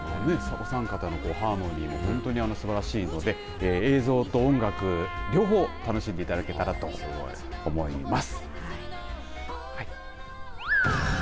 お三方のハーモニーも本当にすばらしいので映像と音楽両方楽しんでいただけたらと思います。